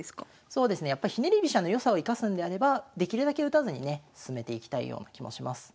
そうですねやっぱひねり飛車の良さを生かすんであればできるだけ打たずにね進めていきたいような気もします。